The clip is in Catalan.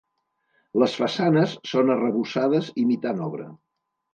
Les façanes són arrebossades imitant obra.